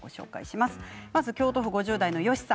まず京都府５０代の方。